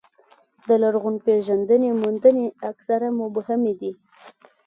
د لرغونپېژندنې موندنې اکثره مبهمې دي.